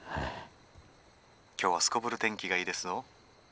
今日はすこぶる天気がいいですぞ」。